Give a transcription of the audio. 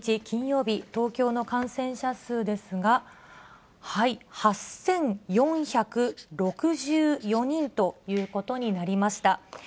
金曜日、東京の感染者数ですが、８４６４人ということになりました。